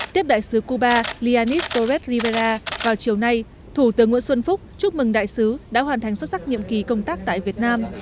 tiếp đại sứ cuba lianis torres rivera vào chiều nay thủ tướng nguyễn xuân phúc chúc mừng đại sứ đã hoàn thành xuất sắc nhiệm kỳ công tác tại việt nam